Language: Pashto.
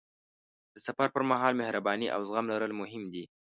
د سفر پر مهال مهرباني او زغم لرل مهم دي.